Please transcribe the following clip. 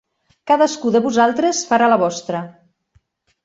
Cadascú de vosaltres farà la vostra.